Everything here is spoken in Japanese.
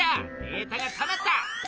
データがたまった。